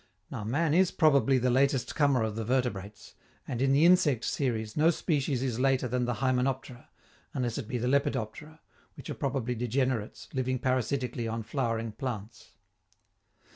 Now man is probably the latest comer of the vertebrates; and in the insect series no species is later than the hymenoptera, unless it be the lepidoptera, which are probably degenerates, living parasitically on flowering plants.